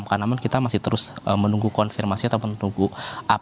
kita masih terus menunggu okta